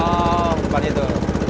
oh depan itu